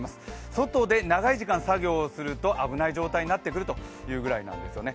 外で長い時間、作業すると危ない状態になってくるというぐらいなんですよね。